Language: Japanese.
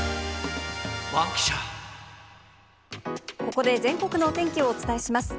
ここで全国のお天気をお伝えします。